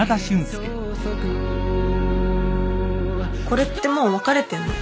これってもう別れてんの？